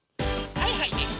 はいはいです。